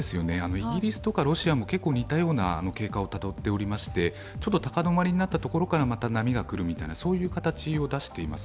イギリスとかロシアも似たような経過をたどっておりまして高止まりになったところからまた波が来るみたいな形を出しています。